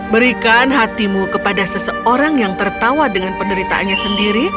berikan hatimu kepada seseorang yang tertawa dengan penderitaannya sendiri